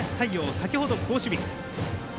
先ほど好守備。